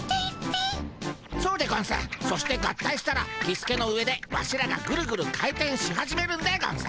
そして合体したらキスケの上でワシらがグルグル回転し始めるんでゴンス。